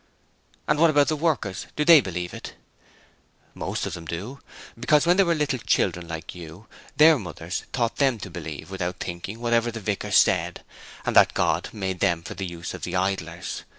'And what about the workers? Do they believe it? 'Most of them do, because when they were little children like you, their mothers taught them to believe, without thinking, whatever the vicar said, and that God made them for the use of the idlers.